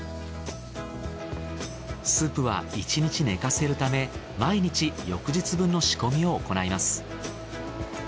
スープは１日寝かせるため毎日翌日分の仕込みを行います。